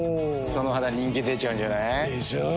その肌人気出ちゃうんじゃない？でしょう。